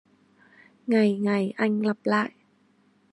Ngày ngày anh lặp lại